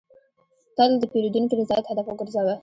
تل د پیرودونکي رضایت هدف وګرځوه.